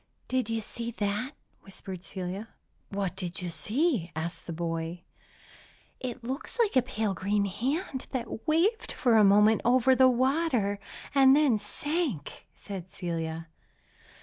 "Did you see that?" whispered Celia. "What did you see?" asked the boy. "It looked like pale green hand, that waved for a moment over the water, and then sank," said Celia.